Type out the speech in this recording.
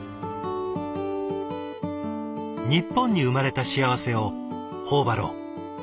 日本に生まれた幸せを頬張ろう。